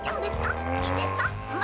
いいんですか？